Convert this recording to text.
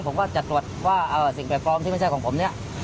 ผมก็จะตรวจว่าสิ่งแปลกปลอมที่ไม่ใช่ของผมเนี่ย